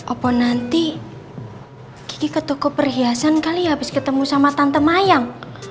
apa nanti kikik ke toko perhiasan kali ya abis ketemu sama tante mayang